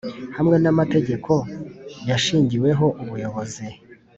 hamwe n amategeko yashingiweho ubuyobozi